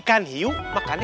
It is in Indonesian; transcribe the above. nah tadi kayak kacau